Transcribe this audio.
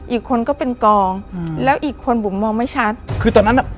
อีกคนก็เป็นกองอืมแล้วอีกคนบุ๋มมองไม่ชัดคือตอนนั้นอ่ะ